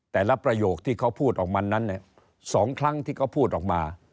แต่ละประโยคที่เขาพูดออกมานั้น๒ครั้งที่เขาพูดออกมา